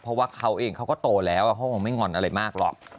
เพราะว่าเขาเองเขาก็โตแล้วเขาคงไม่งอนอะไรมากหรอก